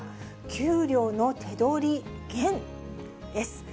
給料の手取り減です。